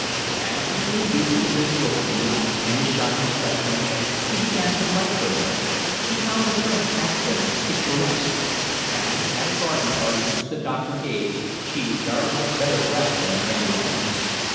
As he grew used to Miss Wilkinson, and his shyness left him, he began to like her better; he found the French accent picturesque; and at a garden party which the doctor gave she was very much better dressed than anyone else.